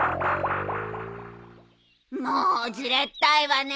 うん。もじれったいわね。